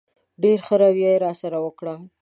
ډېره ښه رویه یې راسره وکړه.